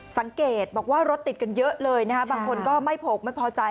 สังเกตบอกว่ารถติดกันเยอะเลยนะฮะบางคนก็ไม่โผลกไม่พอใจ